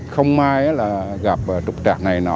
không may là gặp trục trạc này nọ